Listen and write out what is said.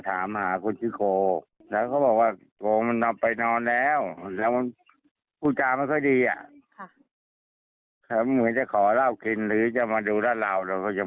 อ่ามันเคยทะเลาะกันเมื่อ๗๘ปีก่อน